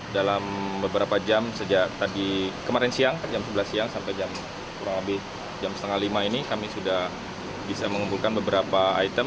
dalam beberapa jam sejak tadi kemarin siang jam sebelas siang sampai jam kurang lebih jam setengah lima ini kami sudah bisa mengumpulkan beberapa item